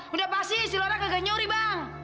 udah pasti si lorak gak nyuri bang